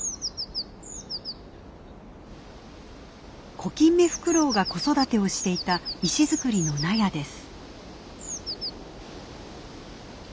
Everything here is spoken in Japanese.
コキンメフクロウが子育てをしていた石造りの納屋です。